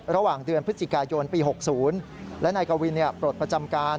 ระหว่างเดือนพฤศจิกายนปี๖๐และนายกวินปลดประจำการ